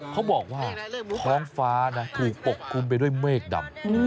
เขาบอกว่าท้องฟ้านะถูกปกคลุมไปด้วยเมฆดำ